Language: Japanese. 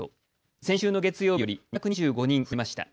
先週の月曜日より２２５人増えました。